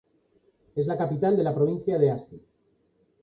Es la capital de la provincia de Asti.